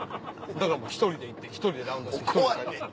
だから１人で行って１人でラウンドして１人で帰る。